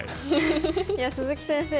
いや鈴木先生